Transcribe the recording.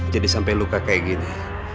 jadi sampai luka kayak gini